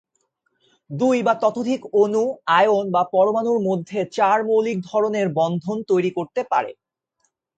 দুই বা ততোধিক অণু, আয়ন বা পরমাণুর মধ্যে চার মৌলিক ধরণের বন্ধন তৈরি করতে পারে।